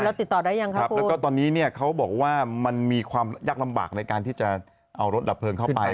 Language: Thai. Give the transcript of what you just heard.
แล้วติดต่อได้ยังครับแล้วก็ตอนนี้เนี่ยเขาบอกว่ามันมีความยากลำบากในการที่จะเอารถดับเพลิงเข้าไป